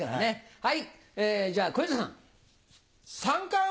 はい。